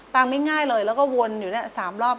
ตามไม่ง่ายเลยแล้วก็วนอยู่นั่น๓รอบ